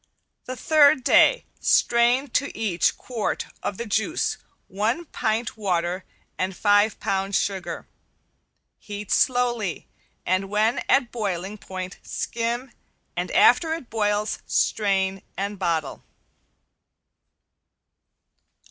The third day strain to each quart of the juice one pint water and five pounds sugar. Heat slowly and when at boiling point skim, and after it boils strain and bottle.